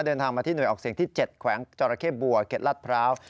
เดินทางมาที่หน่วยออกเสียงที่๗แขวงจรเข้บัวเข็ดลัดพร้าว